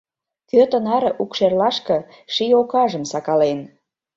Кӧ тынаре укшерлашке Ший окажым сакален?